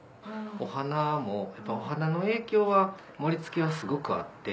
お花もやっぱお花の影響は盛り付けはすごくあって。